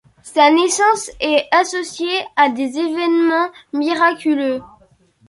Sa naissance est associée à des évènements miraculeux.